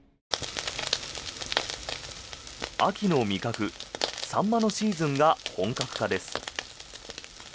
秋の味覚、サンマのシーズンが本格化です。